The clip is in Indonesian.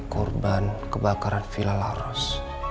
korban kebakaran villa laros